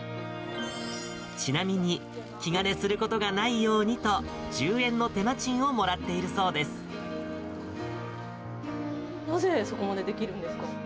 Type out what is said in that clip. ちなみに、気兼ねすることがないようにと、１０円の手間賃をもらっているそなぜそこまでできるんですか？